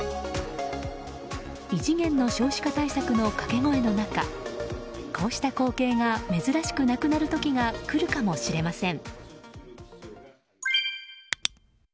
異次元の少子化対策のかけ声の中こうした光景が珍しくなくなる時が来るかもしれません。